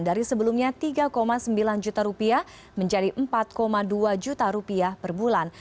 dari sebelumnya rp tiga sembilan juta rupiah menjadi empat dua juta rupiah per bulan